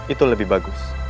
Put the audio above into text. itu lebih bagus